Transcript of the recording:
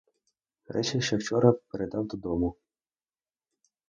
Речі ще вчора передав додому.